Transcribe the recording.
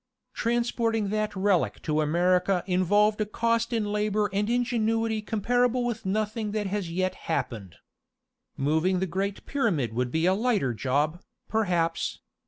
"Transporting that relic to America involved a cost in labor and ingenuity comparable with nothing that has yet happened. Moving the Great Pyramid would be a lighter job, perhaps.